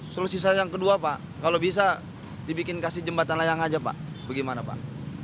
solusi saya yang kedua pak kalau bisa dibikin kasih jembatan layang aja pak bagaimana pak